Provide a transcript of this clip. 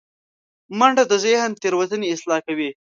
منډه د ذهن تیروتنې اصلاح کوي